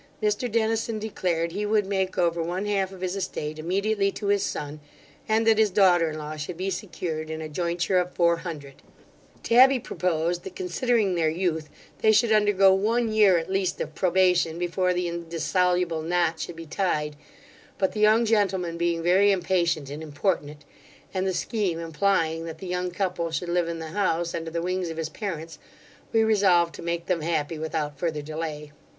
Mr Dennison declared, he would make over one half of his estate immediately to his son, and that his daughter in law should be secured in a jointure of four hundred Tabby proposed, that, considering their youth, they should undergo one year at least, of probation before the indissoluble knot should be tied; but the young gentleman being very impatient and importunate, and the scheme implying that the young couple should live in the house, under the wings of his parents, we resolved to make them happy without further delay.